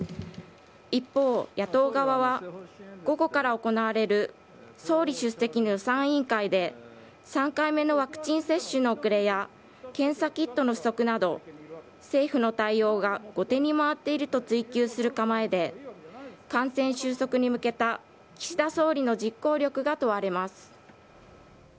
一方、野党側は、午後から行われる総理出席の予算委員会で、３回目のワクチン接種の遅れや、検査キットの不足など、政府の対応が後手に回っていると追及する構えで、感染収束に向けた岸田総理の実行力が問われます。